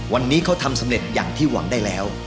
วันนี้เขาทำสำเร็จอย่างที่หวังได้แล้ว